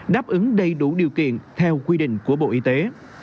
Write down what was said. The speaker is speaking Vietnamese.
đáp ứng đầy đủ điều kiện theo quy định của bộ y tế